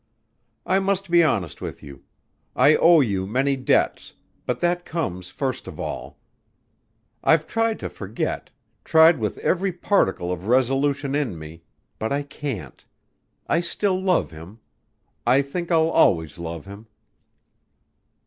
"I must be honest with you. I owe you many debts, but that comes first of all. I've tried to forget tried with every particle of resolution in me but I can't. I still love him. I think I'll always love him."